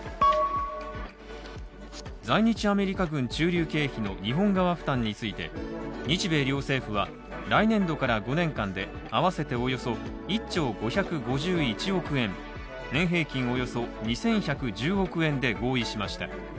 在日アメリカ軍駐留経費の日本側負担について日米両政府は、来年度から５年間であわせておよそ１兆５５１億円、年平均およそ２１１０億円で合意しました。